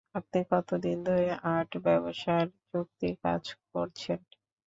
আপনি কতদিন ধরে আর্ট ব্যাবসার চুক্তির কাজ করছেন?